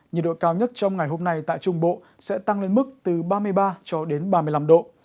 nhiệt độ cao nhất trong ngày hôm nay tại trung bộ sẽ tăng lên mức từ ba mươi ba cho đến ba mươi năm độ